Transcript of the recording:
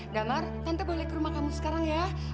damar tante boleh ke rumah kamu sekarang ya